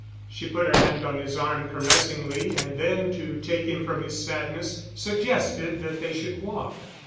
She put her hand on his arm caressingly; and then, to take him from his sadness, suggested that they should walk.